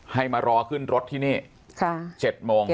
ให้มารอขึ้นรถที่นี่๗โมง